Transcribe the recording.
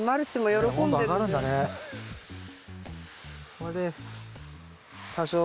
これで多少は。